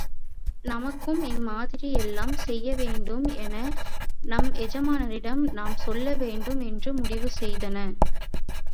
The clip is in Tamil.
நமக்கும் இம்மாதிரி எல்லாம் செய்ய வேண்டும் என நம் எஜமானரிடம் நாம் சொல்ல வேண்டும் என்று முடிவு செய்தன.